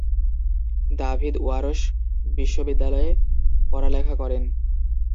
David Warsaw' বিশ্ববিদ্যালয়ে পড়ালেখা করেন।